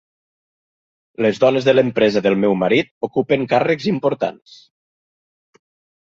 Les dones de l'empresa del meu marit ocupen càrrecs importants.